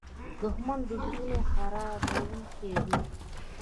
دښمن د زړونو خرابوونکی وي